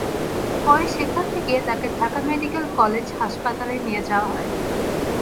পরে সেখান থেকে তাঁকে ঢাকা মেডিকেল কলেজ হাসপাতালে নিয়ে যাওয়া হয়।